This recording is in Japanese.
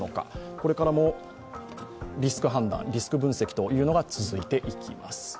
これからもリスク判断、リスク分析が続いていきます。